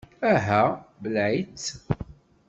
Aha, belleε-itt!